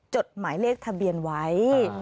จดหมายเลขทะเบียนไว้